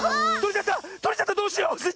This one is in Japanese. どうしよう。